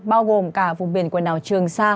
bao gồm cả vùng biển quần đảo trường sa